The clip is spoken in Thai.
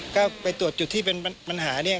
ก็ไปตรวจจุดที่เป็นปัญหาเนี่ย